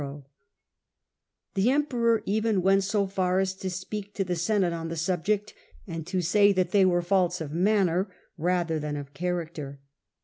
The Emperor even went so far as to speak to the Senate on the subject, and to say that they were faults of manner rather than of character.